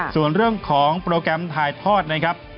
ส่วนเรื่องของโปรแกรมถ่ายทอดนะครับ